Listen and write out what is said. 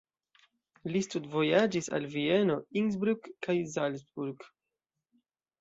Li studvojaĝis al Vieno, Innsbruck kaj Salzburg.